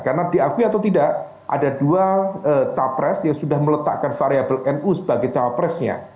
karena diakui atau tidak ada dua cawabras yang sudah meletakkan variable nu sebagai cawabrasnya